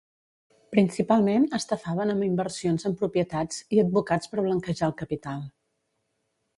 Principalment estafaven amb inversions en propietats i advocats per blanquejar el capital.